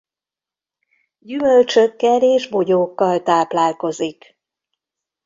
Gyümölcsökkel és bogyókkal táplálkozik.